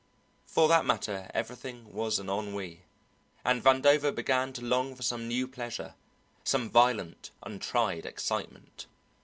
For that matter everything was an ennui, and Vandover began to long for some new pleasure, some violent untried excitement.